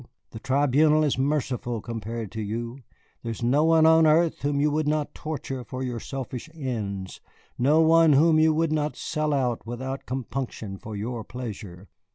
The Tribunal is merciful compared to you. There is no one on earth whom you would not torture for your selfish ends, no one whom you would not sell without compunction for your pleasure.